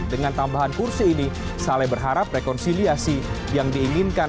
dengan tambahan kursi ini saleh berharap rekonsiliasi yang diinginkan